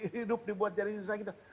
hidup dibuat jadi susah